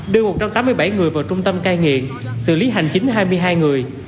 đưa một trăm tám mươi bảy người vào trung tâm cai nghiện xử lý hành chính hai mươi hai người